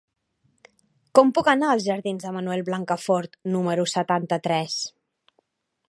Com puc anar als jardins de Manuel Blancafort número setanta-tres?